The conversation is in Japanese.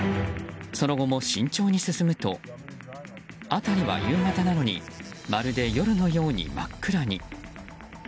その後も慎重に進むと辺りは夕方なのにまるで夜のように真っ暗に。